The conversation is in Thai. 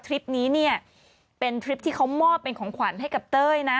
คลิปนี้เนี่ยเป็นทริปที่เขามอบเป็นของขวัญให้กับเต้ยนะ